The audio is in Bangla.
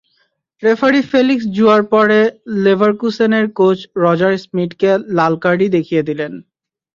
রেফারি ফেলিক্স জুয়ার পরে লেভারকুসেনের কোচ রজার স্মিটকে লাল কার্ডই দেখিয়ে দিলেন।